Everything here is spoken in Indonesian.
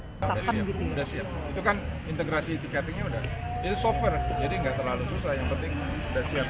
udah siap itu kan integrasi ticketingnya udah itu software jadi nggak terlalu susah yang penting udah siap